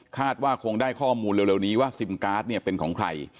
ว่าคงได้ข้อมูลเร็วนี้ว่าซิมการ์ดเนี่ยเป็นของใคร